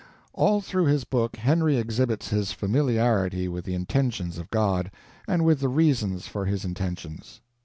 All through his book Henry exhibits his familiarity with the intentions of God, and with the reasons for his intentions.